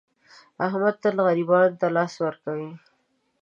احمد تل غریبانو ته لاس ور کوي.